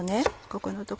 ここの所